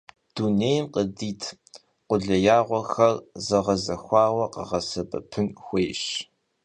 Dunêym khıdit khulêyağexer zeğezexuaue khağesebepın xuêyş.